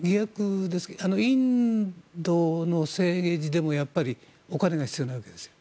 インドの政治でもやっぱりお金が必要になるわけです。